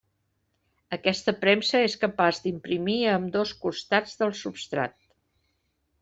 Aquesta premsa és capaç d'imprimir a ambdós costats del substrat.